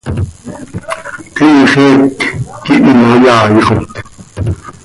Tiix eec quih imayaaixot.